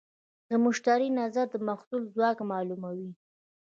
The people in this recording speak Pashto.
د مشتری نظر د محصول ځواک معلوموي.